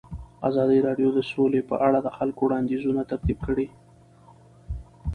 ازادي راډیو د سوله په اړه د خلکو وړاندیزونه ترتیب کړي.